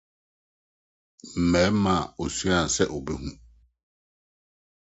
Mmarima a Wosuaa sɛ Wobehu